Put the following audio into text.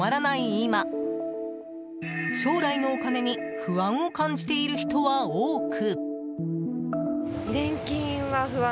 今将来のお金に不安を感じている人は多く。